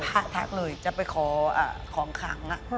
ทักเลยจะไปขอของขัง